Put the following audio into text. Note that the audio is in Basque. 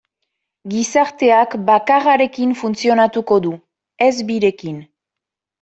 Gizarteak bakarrarekin funtzionatuko du, ez birekin.